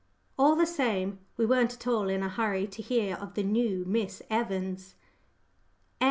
All the same, we weren't at all in a hurry to hear of the new "Miss Evans." CHAPTER III.